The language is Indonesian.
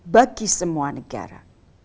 bagi semua negara